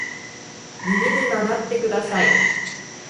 右に曲がってください